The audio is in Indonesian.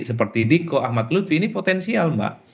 seperti diko ahmad lutfi ini potensial mbak